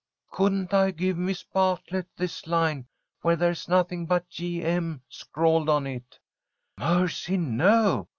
"Couldn't I give Miss Bartlett this line where there's nothing but G. M. scrawled on it?" "Mercy, no!"